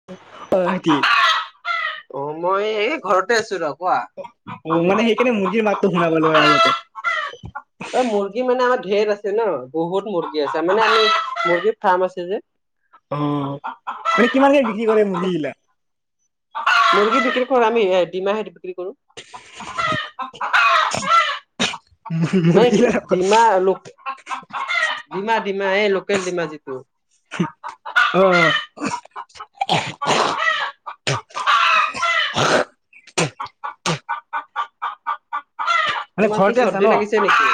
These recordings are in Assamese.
[unintelligible] অ' মই এই ঘৰতে আছোঁ ৰখ। অ' মানে সেইকাৰনে মুৰ্গীৰ মাতটো শুনা পালোঁ হয় আগতে। অ' মুৰ্গী মানে আমাৰ ঢেৰ আছে ন' বহুত মুৰ্গী আছে মানে আমি মুৰ্গী ফাৰ্ম আছে যে। অ' মানে কিমানকে বিক্ৰী কৰে মুৰ্গীগিলা? মুৰ্গী বিক্ৰী কৰোঁ আমি ডিমাহঁত বিক্ৰী কৰোঁ। [inaudible] মান মুৰ্গীগিলা ডিমা লো ডিমা ডিমা এই লোকেল ডিমা যিটো। অ অ মানে তোমাৰ কি ঘৰতে আছা চৰ্দি ন লাগিছে নেকি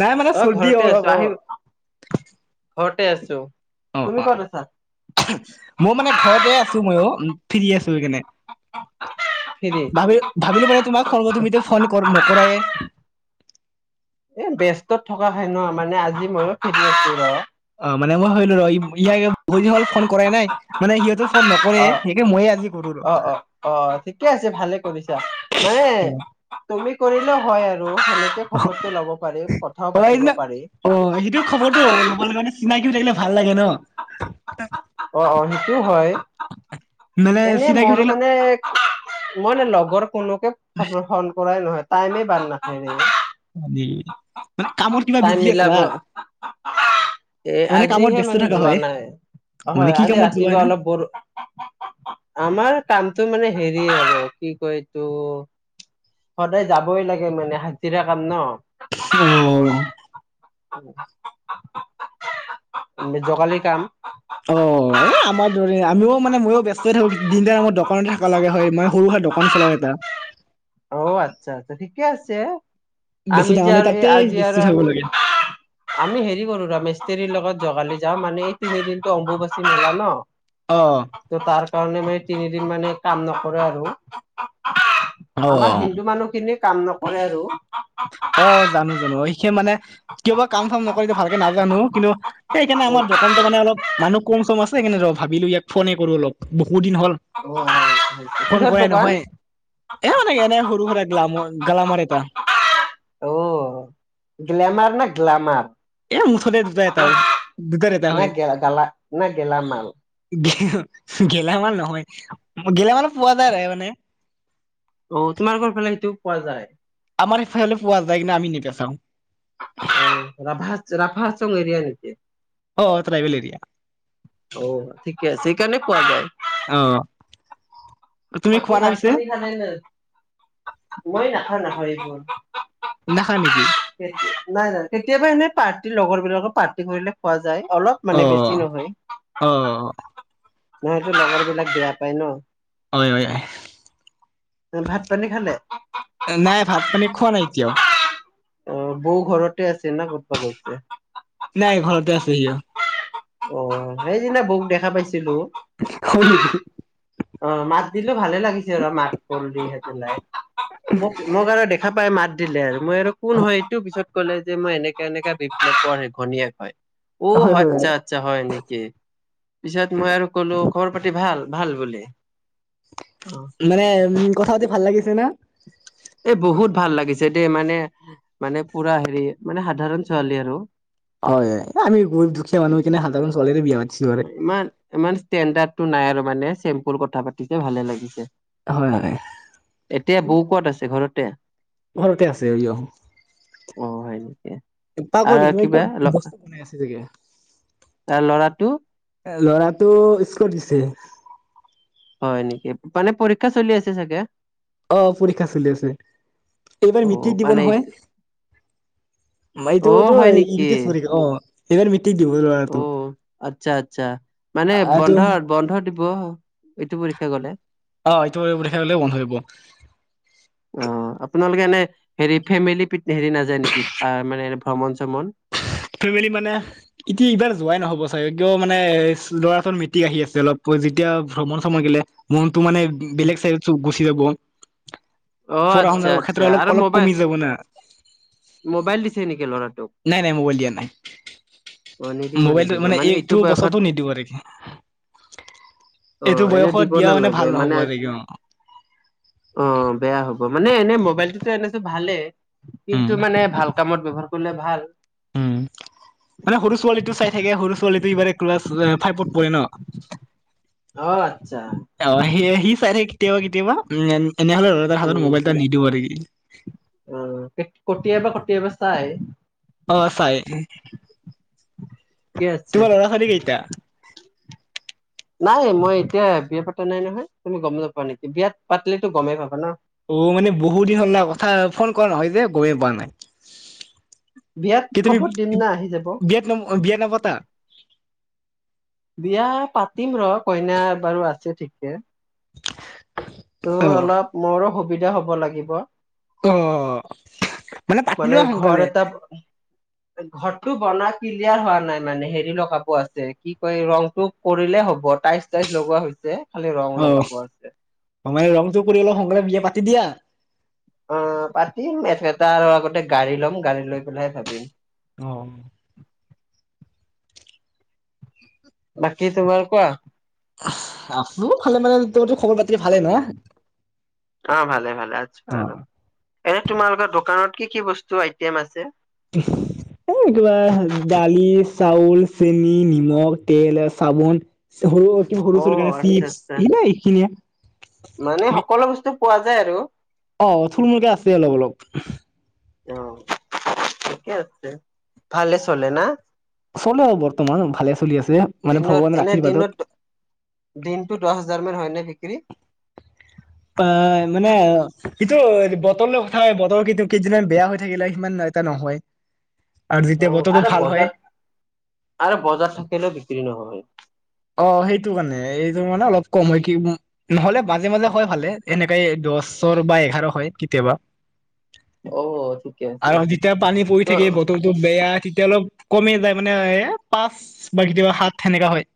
নাই মানে অ চৰ্দি ঘৰতে অলপ আছো অ আহিম ঘৰতে আছো অ তুমি অ ক'ত আছা মউ মানে ঘতে আছো মইও অ ফিৰি আছো সেইকাৰণে ফ্ৰী ভাবি ভাবিলো মানে তোমাক ফোন কৰো তুমিটো ফণ নকৰাই এ বেস্তত থকা হয় ন মানে আজি ময়ো ফ্ৰি আছো ৰ অ মানে মই ভাবিলো ৰ ইল ফোন কৰাই নাই মানে সিহতটো ফোন নক [inaudible] অ অ অ অ অ ঠিকে আছে ভালে কৰিছা মানে তুমি কৰিলেও হয় আৰু সেনেকে খবৰটো ল'ব পাৰি কথাও অ পাতিব সেইদিনা পাৰি অ সেইটো খবৰটো ল'বলে মানে চিনাকিও থাকিলে ভাল লাগে ন অ অ সেইটো হয় মানে এনেই চিনাকি হৈ মোৰ থাকিলে মানে এক মই নে লগৰ লগৰ কুনুকে ফ ফণ কৰাই নহয় টাইমেই বাদ নাখায় এনেই দি মানে কামৰ কিবা বিজি মিলাব আছা এ মানে কামত আজিহে ব্যস্ত মানে থকা যোৱা হয় নাই মানে হয় কি আজি কামত যোৱা ৰাতিপুৱা না? অলপ বৰ আমাৰ কামটো মানে হেৰি হব কি কয় এইটো সদায় যাবই লাগে মানে হাজিৰা কাম ন অ উ মেজকালি কাম অ এ আমাৰ দৰে আমিও মানে ময়ো ব্যস্তই থাকো কি দিনদ সময়ত দকানতে থাকা লগা হয় মানে সৰু হয় ত ক ফল এটা [inaudible] অ আচ্ছা আচ্ছা ঠিকে আছে বেছি আমি যে ডাঙৰ নাই আৰু এই তাতে আজি ব্যস্ত আৰু থাকিব লাগে। আমি হেৰি কৰো ৰা মেস্ত্ৰীৰ লগত জগালি যাওঁ মানে এই তিনিদিনটো অম্বুবাচী মেলা ন অ ত' তাৰ কাৰনে মানে তিনিদিন মানে কাম নকৰে আৰু আমাৰ অ', হিন্দু মানুহখিনি কাম নকৰে আৰু অ জানো জানো অ এইখে মানে কিয় বা কাম চাম নকৰিলে ভালকে নাজানো কিন্তু সেইকাৰণে আমাৰ দকানতো অলপ মানুহ কুম চুম আছে সেইকাৰণে ৰ ভাবিলো ইয়াক ফোনে কৰো অলপ বহুদিন হ'ল অ ফোন কিহৰ কৰাই দোকান নহয়। এ মানকে এনেই সৰু সুৰা গ্লামৰ গ্লেমাৰ এটা অ গ্লেমাৰ নে গ্লামাৰ এ মুঠতে দুটা এটাও দুটাৰ এটা না হয় গালা না গেলামাল গেল গেলামাল নহয় উ গেলামালত পোৱা যায় আৰু মানে অ তোমাৰ ঘৰ ফালে সেইটোও পোৱা যায় আমাৰ সিফালে পোৱা যায় কিনু আমি নেবেচাওঁ অ ৰাভাছ ৰাভাছ চং এৰিয়া নেকি অ অ ট্ৰাইবেল এৰিয়া অ ঠিকে আছে সেইকাৰণে পোৱা যায় অ তুমি বাকী খোৱা না ভাত পিছে পানী খালে নে নাই মই নাখাওঁ নাখাওঁ এইবোৰ নাখা নেকি হেইট নাই নাই কেতিয়াবা এনেই পাৰ্টি লগৰ বিলাকৰ পাৰ্টি কৰিলে খোৱা যায় অলপ অ মানে বেছি নহয় অ নহয়তো লগৰ বিলাক বেয়া পায় ন অয় অয় অয় তে ভাত পানী খালে নাই ভাত পানী খোৱা নাই এতিয়াও। অ', বৌ ঘৰতে আছে না, ক'তবা গৈছে? নাই ঘৰতে আছে সিও। অ', সেইদিনানা বৌক দেখা পাইছিলো। হয় নেকি? অ', মাত দিলো ভালে লাগিছে আৰু মাত-বোল দি সেই পেলাই। মোক মো মোক আৰু দেখা পাই মাত দিলে আৰু মই আৰু কোন হয় এইটো পিছত ক'লে যে মই এনেকে এনেকে বিপ্লৱ [unintelligible] ঘনীয়েক হয়, ঔ হয় হয় হয় আচ্ছা আচ্ছা হয় নেকি, পিছত মই আৰু ক'লো খবৰ-পাতি ভাল ভাল বুলি। অহ। মানে কথা পাতি ভাল লাগিছে না? এই বহুত ভাল লাগিছে দেই, মানে মানে পুৰা হেৰি মানে সাধাৰণ ছোৱালী আৰু। হয়, আমি গৰীব দুখীয়া মানুহ সেই কাৰণে সাধাৰণ চোৱালীয়ে বিয়া পাতিছো আৰু। ইমান ইমান ষ্টেণ্ডাৰ্ডটো নাই আৰু মানে চেম্পুল কথা পাতিছে ভালে লাগিছে। হয় হয় এতিয়া বৌ ক'ত আছে, ঘৰতে? ঘৰতে আছে সিও। অ', হয় নেকি? পাকঘৰত আৰু কিবা ল বস্তু বনাই আছে চাগে এ ল'ৰাটো? ল'ৰাটো স্কুলত দিছে। হয় নেকি, মানে পৰীক্ষা চলি আছে চাগে? অ', পৰীক্ষা চলি আছে, এইবাৰ অ মিট্ৰিক দিব মানে নহয়। এত- এইটো অ টো হয় নেকি উনিতেষ্ট পৰীক্ষা, অ', এইবাৰ মে মেট্ৰিক দিব ল'ৰাই। অ', আচ্ছা আচ্ছা মানে এইটো বন্ধ বন্ধ দিব, এইটো পৰীক্ষা গ'লে। অ', এইটো পৰীক্ষা গ'লেই বন্ধ দিব। অ', আপোনালোকে এনে হেৰি ফেমিলি প হেৰি নাযাই নেকি, মানে ভ্ৰমণ-চ্ৰমণ? ফেমেলি মানে এতিয়া এইবাৰ যোৱাই নহ'ব চাগে, কিয় মানে ল'ৰাটোৰ মেট্ৰিক আহি আছে অলপ, যেতিয়া ভ্ৰমণ-শ্ৰমণ গেলে মনটো মানে বেলেগ চাইডত গুচি যাব। অ', পঢ়া আচ্ছা শুনাৰ আচ্ছা ক্ষেত্ৰত অলপ আৰু অলপ মবাইল, কমি যাব না মোবাইল দিছে নেকি ল'ৰাটোক? নাই নাই ম'বাইল দিয়া নাই। অ', নিদিব মোবাইলটো নিদিব মানে এইটো বয়সত বছৰতো নিদিব আৰু এইটো অ', এনেইও বয়সত দিব দিয়া নালাগে ভাল নহ'ব মানে আৰু আজি অ', বেয়া হ'ব মানে এনে, মোবাইলটোতো এনে টো ভালেই। উম কিন্তু মানে ভাল কামত ব্যৱহাৰ কৰিলে ভাল। উম। মানে সৰু ছোৱালীটো চাই থাকে সৰু ছোৱালীটো ইবাৰে ক্লাছ ফাইভত পঢ়ে ন'। অ', আচ্ছা। অ', সে সি চাই থাকে কেতিয়াবা কেতিয়াবা উ, এনেহ'লে ল'ৰাটোৰ হাতত মোবাইলটো নিদিও আৰু। উম, কেতিয়াবা কেতিয়াবা চাই। অ', চাই, ঠিকে আছে তোমাৰ ল'ৰা-ছোৱালী কেইটা? নাই মই এতিয়া বিয়া পাতা নাই নহয়, তুমি গ'ম নাপোৱা নেকি? বিয়া পাতিলে টো গ'মেই পাবা ন'। অ', মানে বহুত দিন হ'ল না কথা ফোন কৰা নহয় যে গ'মেইে পোৱা নাই। বিয়াত কি তুমি খবৰ দিম না আহি যাব বিয়াত ন বিয়া নপতা? বিয়া পাতিম ৰ' কইনা বাৰু আছে ঠিকে। [unintelligible] ত' অ অলপ মোৰো সুবিধা হ'ব লাগিব। অ' মানে পাতিলোৱা ঘৰ সোনকালে। এটা ঘৰটো বনাই ক্লিয়াৰ হোৱা নাই মানে, হেৰি লগাব আছে কি কয় ৰংটো- কৰিলে হব, টাইচ টাইচ লগোৱা হৈছে খালি ৰং লগাব আছে। অঁ মানে ৰং টো কৰি অলপ সোনকালে বিয়া পাতি দিয়া। অঁ পাতিম এহে তাৰ আগতে গাড়ী ল'ম গাড়ী লৈ পেলাইহে পাতিম। অঁ। বাকী তোমাৰ কোৱা? এঁহ' আছো ভালে মানে, তোৰতো খবৰ পাতি ভালেই নহ? অঁ ভালে ভালে আছো অ আৰু, এনে তোমালোকৰ দোকানত কি কি বস্তু আইটেম আছে? [unintelligible] এ কিবা দালি, চাউল, চেনি, নিমখ, তেল এ চাবোন- পিছে সৰু কি সৰু অ ছোৱালীৰ কাৰণে আচ্ছা চিপছ, আচ্ছা এইখিনিয়ে। মানে সকলো বস্তু পোৱা যায় আৰু। অঁ থুল মুলকে আছে অলপ অলপ। অঁ ঠিকে আছে, ভালে চলে না? চলে আও বৰ্তমান ভালে চলি আছে, মানে দিনত ভগৱানৰ এনে দিনত আশীৰ্বাদত। দিনটো দহ হাজাৰ মান হয়নে বিক্ৰী? অঁ মানে কিটো বতৰ লগত কথা বতৰ কি কেইদিনমান বেয়া হৈ থাকিলে সিমান এটা নহয়। আৰু অ যেতিয়া বতৰটো আৰু ভাল বজাৰ হয়- আৰু বজাৰ থাকিলেও বিক্ৰী নহয়। অঁ সেইটো কাৰণে, এইটো মানে অলপ কমে কি- নহলে মাজে মাজে হয় ভালে এনেকাই দশৰ বা এঘাৰ হয় কেতিয়াবা। অ ঠিকে আছে আৰু যেতিয়া পানী পৰি ত থাকে বতৰটো বেয়া তেতিয়া অলপ- কমি যায় মানে এ পাঁচ বা কেতিয়াবা সাত সেনেকা হয়।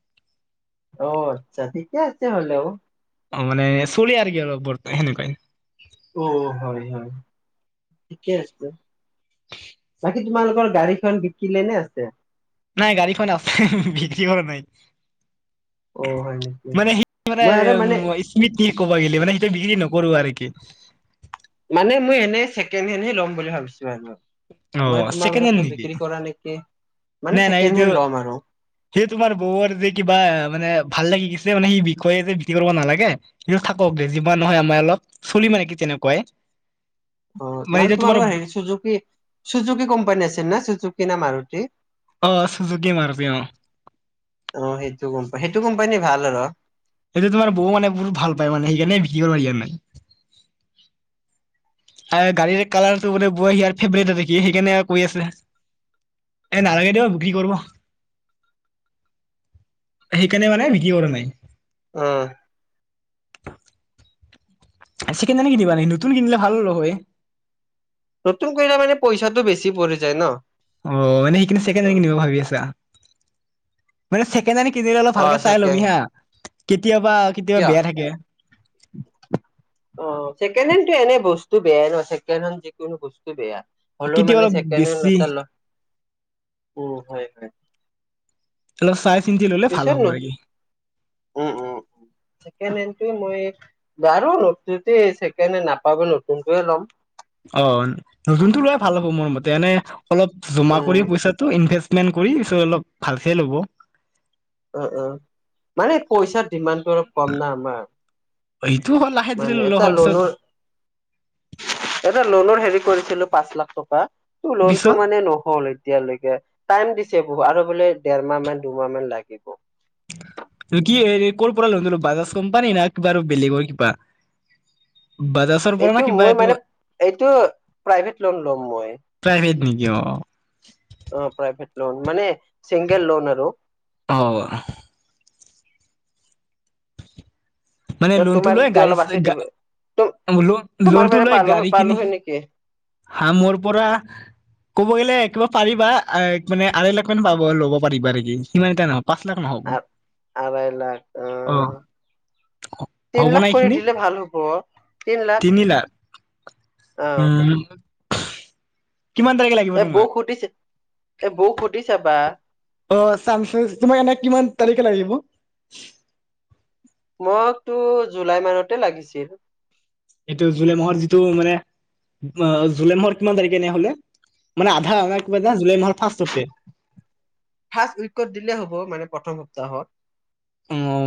অঁ আৎচ্ছা, ঠিকে আছে হলেও। অঁ মানে চলে আৰু কি অলপ বৰ্ত সেনেকুৱাই। টো হয় হয়, ঠিকে আছে। বাকী তোমালোকৰ গাড়ীখন বিকিলে নে আছে? নাই গাড়ীখন আছে, বিক্ৰী কৰা নাই। অ হয় নেকি মানে সেইটো মানে মই আৰু স্মৃতি ক'ব গ'লে, মানে সেইটো বিক্ৰী নকৰো আৰু নেকি। মানে মই এনেই ছেকেণ্ড হেণ্ডহে ল'ম বুলি ভাবিছো আৰু। অ মই ছেকেণ্ড হেণ্ড তোমালোকৰটো নেকি বিক্ৰী কৰা নেকি? মানে নাই নাই ছেকেণ্ড এইটো হেণ্ড ল'ম আৰু। সেই তোমাৰ বৌৱৰ যে কিবা মানে ভাল লাগি গৈছে মানে, সেই বিষয়ে যে বিক্ৰি কৰিব নালাগে। কিন্তু থাকক দে যিমান নহয় আমাৰ অলপ চলি মানে কি তেনেকুৱাই। অঁ মানে এতিয়া তোমাৰ তোমালোকৰ হেৰি চুযুকি চুজুকি কোম্পানী আছিল না চুজুকি না মাৰুতি? অঁ অঁ চুযুকি মাৰুতি অঁ। অঁ সেইটো কোম্পা সেইটো কোম্পানী ভাল আৰু। সেইটো তোমাৰ বৌ মানে বহু ভাল পায় মানে সেইকাৰণে বিক্ৰী কৰিবা দিয়া নাই। হায় গাড়ীৰ কালাৰ টো বোলে বৌৰ হিয়াৰ ফেভাৰেত আৰু কি সেইকাৰণে আৰু কৈ আছে। এ নালাগে দিয়ক বিক্ৰী কৰিব। সেইকাৰণে মানে বিক্ৰী কৰা নাই। অঁ। ছেকেণ্ড হেণ্ডহে কিনিবা নি? নতুন কিনিলে ভাল হ'ল হয়। নতুন কৰিলে মানে পইচাটো বছি পৰি যায় ন? অ'মানে সেইকাৰণে ছেকেণ্ড হেণ্ড কিনিব ভাবি আছলা মানে ছেক কেণ্ড কিনিলে অলপ অ ভালকে চাই চাকে লবি হা কেতিয়াবা, কেতিয়াবা কিয় বেয়া থাকে। অ'ছেকেণ্ড হেণ্ড টো এনে বস্তু বেয়াই নাথাকে [unintelligible] যিকোনো বস্তু বেয়া হ'লেও কেতিয়াবা মানে অলপ ছেকেণ্ড হেণ্ড বেছি এটা ল' উম, হয়, হয়। অলপ চাই চিন্তি ল'লে ভাল পিছত হ'ব ন আৰু কি। উম, উম। ছেকেন হেন তোয়ে মই বাৰু [unintelligible] ছেকেন হেন নাপাব নতুন তোৱে ল'ম। অ'নতুনটো লোৱাই ভাল হ'ব মোৰ মতে এনে অলপ জমা উম, কৰি [unintelligible] তো ইনভেষ্টমেণ্ট কৰি চ' অলপ ভালকে ল'ব। অ' অ'মানে পইচাৰ ডিমাণ্ডটো অলপ কম না আমাৰ। অ'এইটোও হয় লাহে ধীৰে মানে ললে এটা হ'ল পিছত। লোনৰ এটা লোণৰ হেৰি কৰিছিলোঁ পাঁচ লাখ টকা ত' পিছত লোণটো মানে নহ'ল এ এতিয়ালৈকে টাইম দিছে বহু আৰু বোলে দেৰমাহ মান, দুমাহ মান লাগিব। [unintelligible] কি হেৰী কৰ'‌পৰা ললিনো‌ বাজাজ কোম্পানী না কিবা বেলেগৰ কিবা? বাজাজ এইটো মই মানে এইটো প্ৰাইভেট লোণ ল'ম মই। প্ৰাইভেট নেকি অ অ'প্ৰাইভেট লোণ মানে চিংগল লোণ আৰু [unintelligible] মানে লোণটো তোমাৰ লৈ যদি গাড়ী অলপ আছে দিব। [unintelligible] তোমাৰ লোণটো পৰা লৈ পালো গাড়ী পালো কিনি হয় নেকি? হা মোৰ পৰা ক'ব গ'লে কিবা পাৰিবা মানে আঢ়ে লাখ মান পাব ল'ব পাৰিবা নেকি সিমান এটা নহ পাঁচ লাখ নহ'ব। আ-আঢ়াই লাখ অ'। তিন হ'ব না লাখ কৰি এইখিনি দিলে ভাল হ'ব তিন লাক তিনি লাখ [unintelligible] কিমান তাৰিখে লাগ এ বৌক সুধিছে, এ বৌক সুধি চাবা। অ' [unintelligible] তোমাক এনে কিমান তাৰিখে লাগিব? মকটো জুলাই মানতে লাগিছিল। এইটো জুলাই মাহৰ যিটো মানে অ' জুলাই মাহৰ কিমান তাৰিখে এনেহলে মানে আধা মানে কিবা এটা জুলাই মাহৰ ফাষ্টতে। ফাষ্ট উইকত দিলে হ'ব মানে প্ৰথম সপ্তাহত।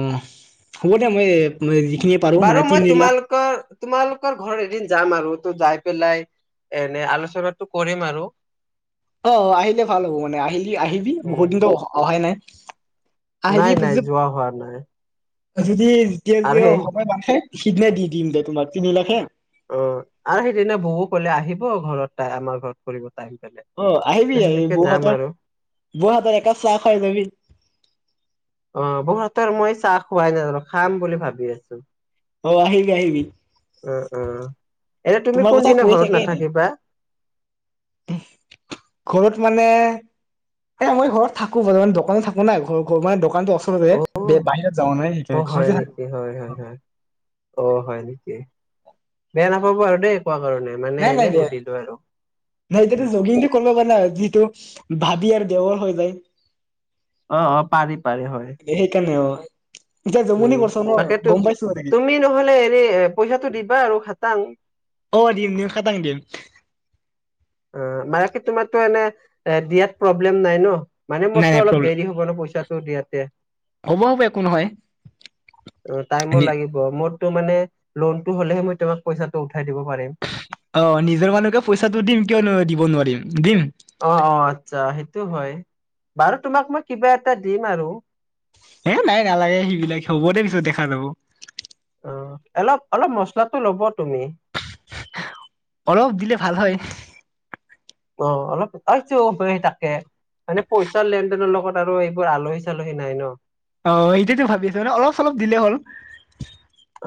[unintelligible] হ'ব দিয়া মই এ মই যিখিনি পা বাৰু মই তোমালোকৰ, তোমালোকৰ ঘৰ এদিন যাম আৰু ত'যায় পেলাই এনে আলোচনাটো কৰিম আৰু অ' অ'আহিলে ভাল হ'ব মানে আহিলি আহিবি বহুত উম দিনতো অহ-অহাই নাই। নাই আহিবি নাই [unintelligible] যোৱা হোৱা নাই আৰু সেই সিদনে দি দিম দে তোমাক তিন লাখে। অ'আৰু সেইদিনা বৌওকো ক'লে আহিব ঘৰত তাই আমাৰ ঘৰত কৰিব টাইম পালে। অ' ত আহিবি আহি সেনেকে বৌ যাম হাতৰ, আৰু বৌ হাতৰ এক কাপ চাহ খাই যাবি। অ' বৌৰ হাতৰ মই চাহ খোৱাই নাই ৰহ খাম বুলি ভাবি আছো। অ'আহিবি, আহিবি। [unintelligible] এনে তুমি তোমাৰ কথা কোনদিনা কৈয়ে ঘৰত থাকে এনে নাথাকিবা? ঘৰত মানে এ মই ঘৰত থাকো বৰ্তমান দোকানোত থাকো না ঘ ঘৰ দোকানটো ওচৰ- অঁ অ বে বাহিৰত যোৱা নাই সেইকাৰণে ঘৰতে থাকো- কি হয়ঁ হয়ঁ হয়ঁ। অঁ হয়ঁ নেকি বেয়া নাপাব আৰু দেই কোৱা কাৰণে। মানে নাই এনে নাই বেয়া- সুধিলো আৰু নাই এতিয়ো জগিংটো কৰিব পৰা নাই যিটো ভাবি আৰু দেওৰ হৈ যায়। [inaudible] অঁ অঁ পাৰি পাৰি হয়ঁ। সেইকাৰনে অঁ- উমঁ তাকেটো মানে তুমি নহ'লে এনে পইচাটো দিবা আৰু খাটাং। অঁ দিম দিম খাটাং দিম। অঁ মানেকী তোমাৰতো এনে এ দিয়াত প্ৰব্লেম নাই ন। মানে নাই মোৰতটো নাই অলপ প্ৰব্লেম দেৰি হ'ব ন পইচাটো দিয়াতে। হ'ব হ'ব একো নহয় অঁ টাইমো লাগিব মোৰতো মানে লোনতটো হলেহে মই তোমাক পইচাটো উঠাই দিব পাৰিম। অঁ নিজৰ মানুহকে পইচাটো দিম কিয়নো দিব নোৱাৰিম দিম। অঁ, অঁ আচ্ছা সেইটো হয়ঁ বাৰু তোমাক মই কিবা এটা দিম আৰু। এ নাই নালাগে সেই বিলাকে হ'ব দে পিছত দেখা যাব। অঁ অলপ অলপ মছলাটো লব তুমি। অলপ দিলে ভাল হয়ঁ। অঁ, অলপইছো তাকে। মানে পইচাৰ লেন দেনৰ লগত আৰু এইবোৰ আলহী চালহী নাই ন। অঁ, এইতিয়টো ভাবি আছো মানে অলপ চলপ দিলে হ'ল।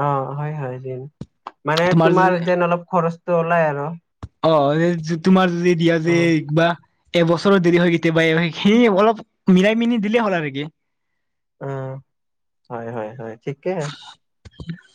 অঁ হয়ঁ হয়ঁ দিম মানে তোমাৰ যেন অলপ খৰচটো ওলাই আৰু। অঁ যে তোমাৰ যদি দিয়া অ যে এক বা। এবছৰো দেৰি হয়ঁ কেতিয়াবা এই সেই অলপ মিলাই মেলি দিলেই হ'ল আৰু কি। অঁ হয়ঁ হয়ঁ হয়ঁ ঠিকে হঁয়। [unintelligible]